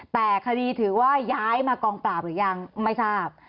แต่คดีถือว่าย้ายมากองปราบหรือยังไม่ทราบ